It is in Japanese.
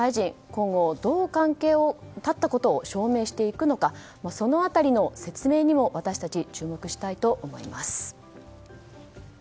今後どう関係を断ったことを証明していくのか、その辺りの説明にも私たちは注目したいと思います。